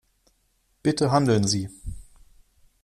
Bitte handeln Sie!